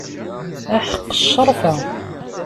Aḥeq Ccerfa.